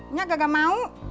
nyak kagak mau